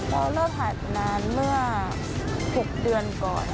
เราก็เลิกหาดนานเมื่อ๖เดือนก่อนนะคะ